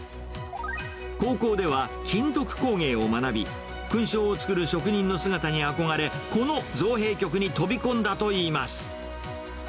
高校では金属工芸を学び、勲章をつくる職人の姿に憧れ、この造幣局に飛び込んだといいます。